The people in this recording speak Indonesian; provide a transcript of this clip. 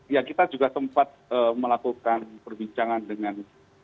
ya kita juga sempat melakukan perbincangan dengan